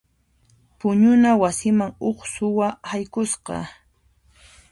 Puñuna wasiman huk suwa haykusqa.